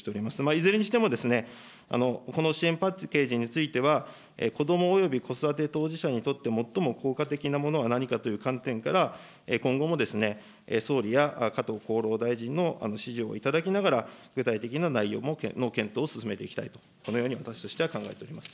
いずれにしても、この支援パッケージについては、こどもおよび子育て当事者にとって最も効果的なものは何かという観点から、今後も総理や加藤厚労大臣の指示をいただきながら、具体的な内容の検討を進めていきたいと、このように私としては考えております。